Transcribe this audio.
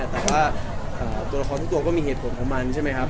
แต่ว่าตัวละครทุกตัวก็มีเหตุผลของมันใช่ไหมครับ